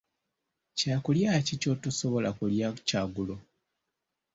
Kyakulya ki ky'otosobola kulya kyaggulo?